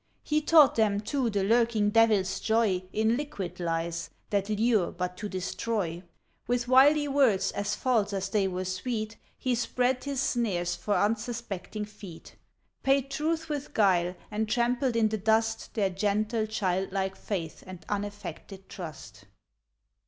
He taught them, too, the lurking devil's joy In liquid lies, that lure but to destroy. With wily words, as false as they were sweet, He spread his snares for unsuspecting feet; Paid truth with guile, and trampled in the dust Their gentle childlike faith and unaffected trust.